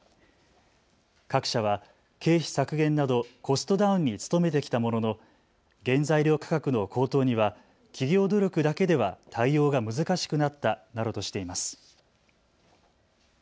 各社は経費削減などコストダウンに努めてきたものの原材料価格の高騰には企業努力だけでは対応が難しくなったなどとしています。